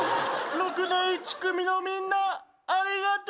６年１組のみんなありがとう！